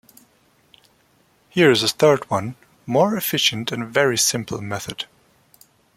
Here is a third one, more efficient and very simple method.